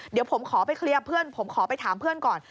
เดี๋ยวผมขอไปเคลียร์เพื่อนผมขอไปถามเพื่อนก่อน